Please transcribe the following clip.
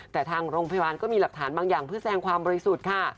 แต่ทางโรงพยาบาลก็มีหลักฐานบางอย่างเพื่อแสงความบริสุทธิ์ค่ะ